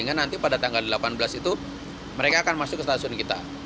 sehingga nanti pada tanggal delapan belas itu mereka akan masuk ke stasiun kita